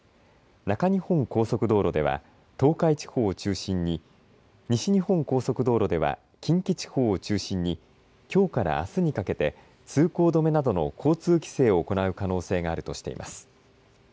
中日本高速道路では東海地方を中心に西日本高速道路では近畿地方を中心にきょうからあすにかけて通行止めなどの交通規制を行う可能性があるとしています。